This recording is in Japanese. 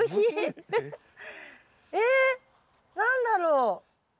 え何だろう？